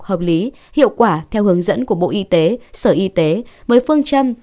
hợp lý hiệu quả theo hướng dẫn của bộ y tế sở y tế với phương châm